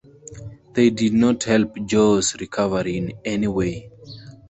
They did not help Joe’s recovery in any way.